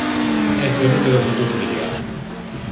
Este é o nome do conduto biliar.